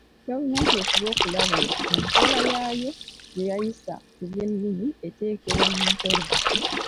Gavumenti efube okulaba nti enkola yaayo gye yayisa ku by'ennimi eteekebwa mu nkola.